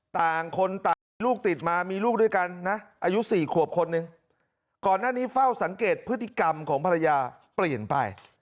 ต่างคนต่างมีลูกติดมามีลูกด้วยกันนะอายุ๔ขวบคนหนึ่งก่อนหน้านี้เฝ้าสังเกตพฤติกรรมของภรรยาเปลี่ยนไป